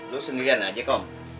lu sendirian aja kom